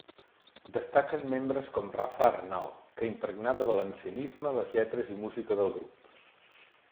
Destaquen membres com Rafa Arnal que impregnà de valencianisme les lletres i música del grup.